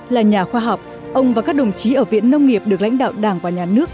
là nhà khoa học ông và các đồng chí ở viện nông nghiệp được lãnh đạo đảng và nhà nước